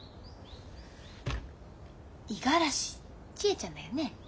五十嵐千恵ちゃんだよね？